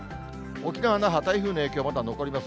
沖縄・那覇、台風の影響、まだ残ります。